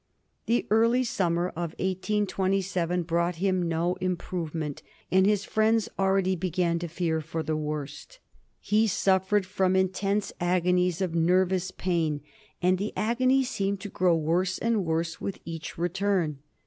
The early summer of 1827 brought him no improvement, and his friends already began to fear for the worst. He suffered from intense agonies of nervous pain, and the agonies seemed to grow worse and worse with each return.